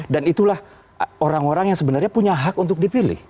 dan itulah orang orang yang sebenarnya punya hak untuk dipilih